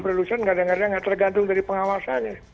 produsen kadang kadang nggak tergantung dari pengawasannya